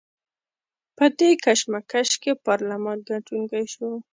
په دې کشمکش کې پارلمان ګټونکی شو.